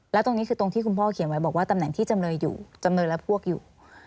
แล้วตรงนี้คือตรงที่คุณพ่อเขียนไว้บอกว่าตำแหน่งที่จำเลยอยู่จำเลยและพวกอยู่